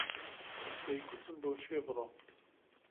پێی گوتم بۆ کوێ بڕۆم.